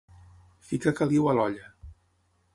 Ficar caliu a l'olla.